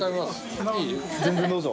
全然どうぞ。